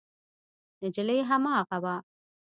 نجلۍ هماغه وه.